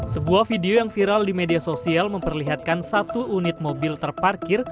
sebuah video yang viral di media sosial memperlihatkan satu unit mobil terparkir